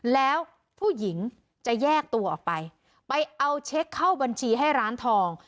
แล้วผู้หญิงจะแยกตัวออกไปไปเอาเช็คเข้าบัญชีให้ร้านทอง